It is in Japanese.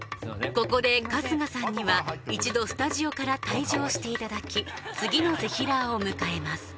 ここで春日さんには１度スタジオから退場していただき次のぜひらーを迎えます